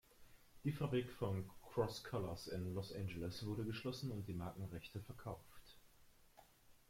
Die Fabrik von Cross Colors in Los Angeles wurde geschlossen und die Markenrechte verkauft.